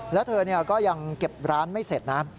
แล้วเธอก็ยังเก็บร้านไม่เสร็จนะ